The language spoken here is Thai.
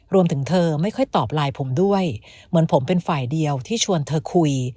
รวมถึงเธอไม่ค่อยตอบไลน์ผมด้วยเหมือนผมเป็นฝ่ายเดียวที่ชวนเธอคุย